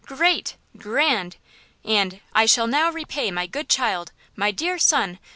Great! Grand!" and "I shall now repay my good child! my dear son!